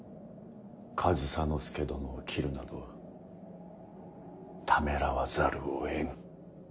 上総介殿を斬るなどためらわざるをえん。